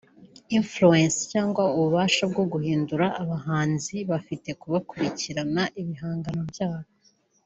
Influence” cyangwa ububasha bwo guhindura abahanzi bafite ku bakurikirana ibihangano byabo